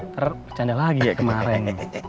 ntar bercanda lagi ya kemaren